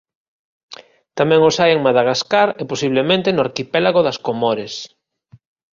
Tamén os hai en Madagascar e posiblemente no arquipélago das Comores.